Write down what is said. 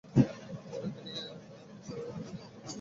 উনাকে নিয়ে আপনি সেভাবে কিছু বলেননি।